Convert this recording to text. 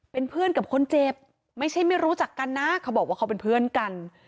เป็นเพื่อนกับคนเจ็บไม่ใช่ไม่รู้จักกันนะเขาบอกว่าเขาเป็นเพื่อนกัน